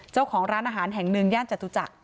เจ้าของร้านอาหารแห่งหนึ่งย่านจตุจักร